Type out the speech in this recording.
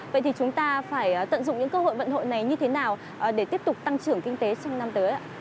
vậy thì chúng ta phải tận dụng những cơ hội vận hội này như thế nào để tiếp tục tăng trưởng kinh tế trong năm tới ạ